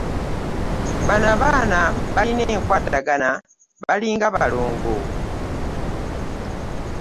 Bano abaana balina enkwatagana balinga balongo.